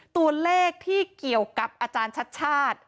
ตัวเลขที่เกี่ยวกับอาจารย์ชัดชาติ